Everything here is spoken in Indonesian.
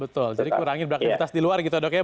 betul jadi kurangin beraktivitas di luar gitu dok ya